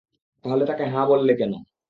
তাহলে তাকে হ্যাঁ বললে কেনো?